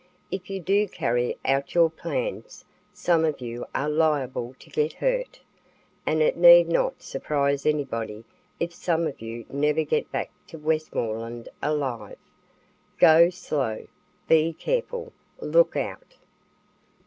If you do carry out your plans, some of you are liable to get hurt, and it need not surprise anybody if some of you never get back to Westmoreland alive. Go Slow! Be Careful! Look Out!"